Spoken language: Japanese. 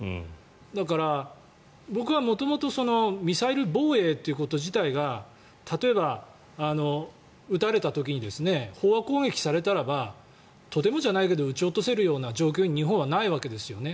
だから、僕は元々ミサイル防衛ということ自体が例えば、撃たれた時に飽和攻撃されたらばとてもじゃないけど撃ち落とせるような状況に日本はないわけですね。